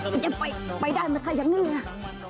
มันจะไปไปได้มั้ยค่ะอย่างนี้เลยค่ะ